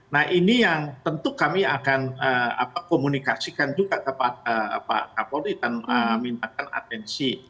nah ini yang tentu kami akan komunikasikan juga kepada pak kapolri dan mintakan atensi